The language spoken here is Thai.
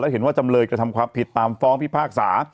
เห็นว่าจำเลยกระทำความผิดตามฟ้องพิพากษา